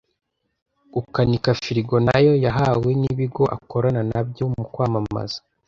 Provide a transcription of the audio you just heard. gukanika firigo n’ayo yahawe n’ibigo akorana nabyo mu kwamamaza